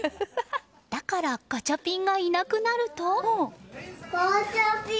だからガチャピンがいなくなると。